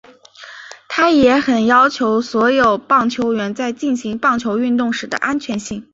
他也很要求所有棒球员在进行棒球运动时的安全性。